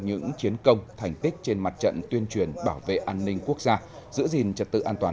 những chiến công thành tích trên mặt trận tuyên truyền bảo vệ an ninh quốc gia giữ gìn trật tự an toàn